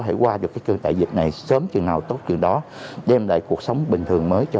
thể qua được cái cơn đại dịch này sớm chừng nào tốt chừng đó đem lại cuộc sống bình thường mới cho